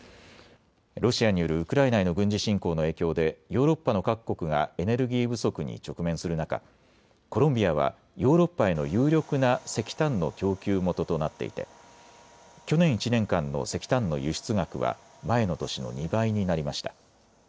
ロシアによるウクライナへの軍事侵攻の影響でヨーロッパの各国がエネルギー不足に直面する中、コロンビアはヨーロッパへの有力な石炭の供給元となっていて去年１年間の石炭の輸出額は前の年の２倍になりました。